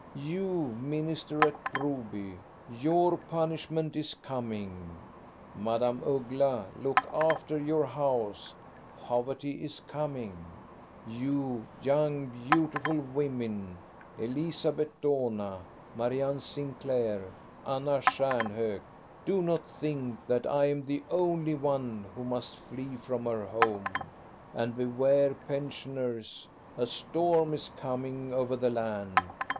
You, minister at Broby, your pun ishment is coming! Madame Uggla, look after your house; poverty is coming! You young, beautiful women — Elizabeth Dohna, Marianne Sinclair, Anna Stj^mhok — 'do not think that I am the only one who 6o THE STORY OF GO ST A BE RUNG must flee from her home. And beware, pensioners, a storm is coming over the land.